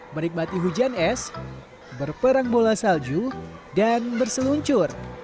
menikmati hujan es berperang bola salju dan berseluncur